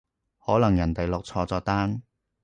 可能人哋落錯咗單